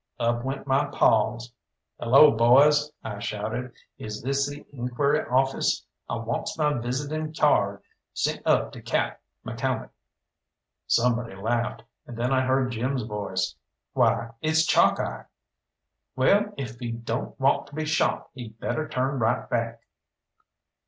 Up went my paws. "Hello, boys," I shouted, "is this the inquiry office? I wants my visitin' cyard sent up to Cap McCalmont." Somebody laughed, and then I heard Jim's voice. "Why, it's Chalkeye!" "Well, if he don't want to be shot he'd better turn right back."